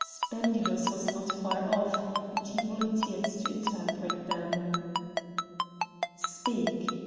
Spendius was not far off, and he volunteered to interpret them. "Speak!"